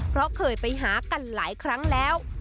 เพราะเคยไปหากันหลายครั้งแล้ว